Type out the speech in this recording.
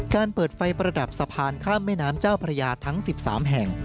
เปิดไฟประดับสะพานข้ามแม่น้ำเจ้าพระยาทั้ง๑๓แห่ง